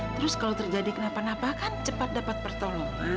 terus kalau terjadi kenapa napa kan cepat dapat pertolongan